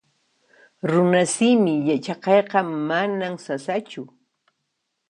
Runasimi yachaqayqa manan sasachu